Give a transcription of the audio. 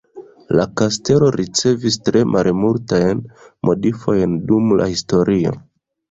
La kastelo ricevis tre malmultajn modifojn dum la historio.